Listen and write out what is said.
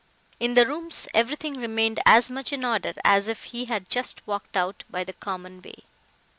In the rooms everything remained as much in order as if he had just walked out by the common way.